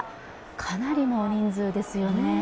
かなりの人数ですよね。